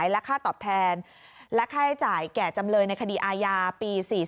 และค่าให้จ่ายแก่จำเลยในคอยปี๔๔